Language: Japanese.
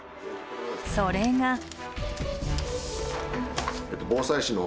それが。